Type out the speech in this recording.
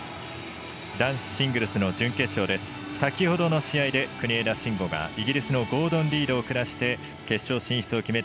男子シングルスの準決勝先ほどの試合で国枝慎吾がイギリスのゴードン・リードを下して決勝進出